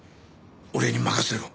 俺に任せろ。